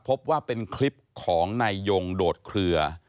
พบว่าเป็นคลิปของนายยงโดดเคลือ